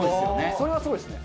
それはすごいですね。